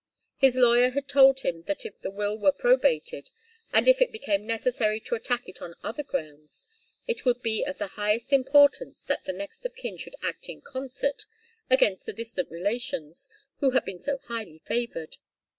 His lawyer had told him that if the will were probated, and if it became necessary to attack it on other grounds, it would be of the highest importance that the next of kin should act in concert against the distant relations who had been so highly favoured.